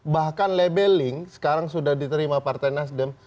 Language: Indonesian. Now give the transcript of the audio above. bahkan labeling sekarang sudah diterima partai nasdem